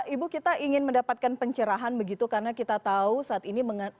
ibu kita ingin mendapatkan pencerahan begitu karena kita tahu saat ini